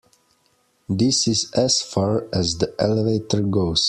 This is as far as the elevator goes.